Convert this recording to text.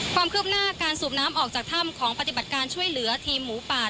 ความคืบหน้าการสูบน้ำออกจากถ้ำของปฏิบัติการช่วยเหลือทีมหมูป่า